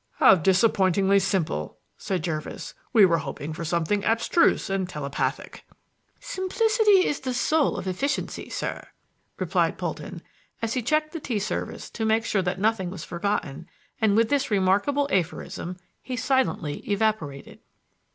"How disappointingly simple," said Jervis. "We were hoping for something abstruse and telepathic." "Simplicity is the soul of efficiency, sir," replied Polton as he checked the tea service to make sure that nothing was forgotten, and with this remarkable aphorism he silently evaporated.